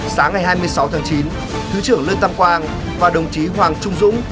sáng ngày hai mươi sáu tháng chín thứ trưởng lương tâm quang và đồng chí hoàng trung dũng